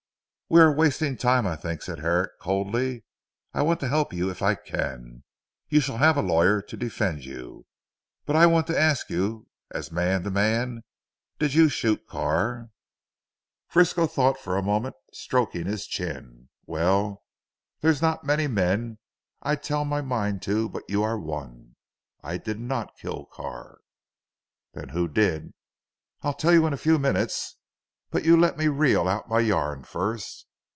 "We are wasting time I think," said Herrick coldly, "I want to help you if I can. You shall have a lawyer, to defend you. But I want to ask you as man to man: Did you shoot Carr?" Frisco thought for a moment stroking his chin. "Well there's not many men I'd tell my mind to but you are one. I did not kill Carr." "Then who did?" "I'll tell you in a few minutes. But you let me reel out my yarn first."